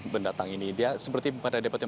mendatang ini dia seperti pada debat yang